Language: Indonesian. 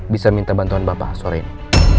bisa minta bantuan bapak sore ini